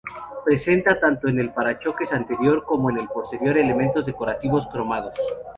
Presenta tanto en el parachoques anterior como en el posterior elementos decorativos cromados.